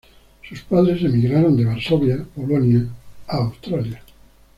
Sus padres emigraron de Varsovia, Polonia, a Australia.